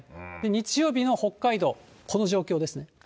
日曜日の北海道、この状況ですね。